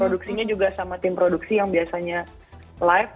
produksinya juga sama tim produksi yang biasanya live